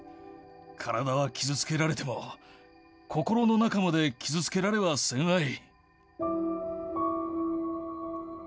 体は傷つけられても、心の中まで傷つけられはせんわい。